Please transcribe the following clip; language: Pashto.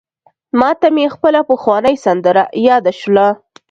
ماته مي خپله پخوانۍ سندره یاده سوله: